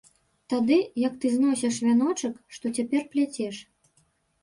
Тады, як ты зносіш вяночак, што цяпер пляцеш.